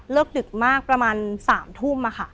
เลิกดึกมากประมาณ๓ทุ่ม